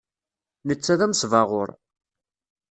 Netta d anesbaɣur.